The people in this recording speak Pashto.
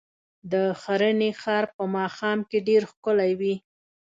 د ښرنې ښار په ماښام کې ډېر ښکلی وي.